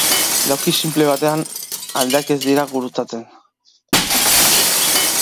Lauki sinple batean aldeak ez dira gurutzatzen.